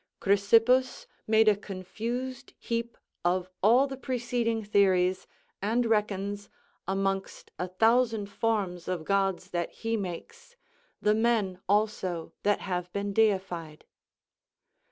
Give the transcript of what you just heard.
Chrysippus made a confused heap of all the preceding theories, and reckons, amongst a thousand forms of gods that he makes, the men also that have been deified.